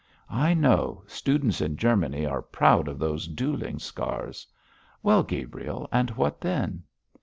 'I know; students in Germany are proud of those duelling scars. Well, Gabriel, and what then?'